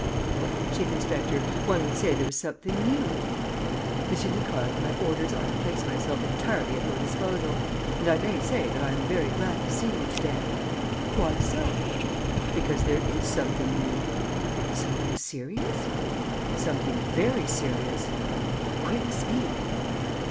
"Well, chief inspector, one would say there was something new?" "M. Nicole, my orders are to place myself entirely at your disposal; and I may say that I am very glad to see you to day." "Why so?" "Because there is something new." "Something serious?" "Something very serious." "Quick, speak."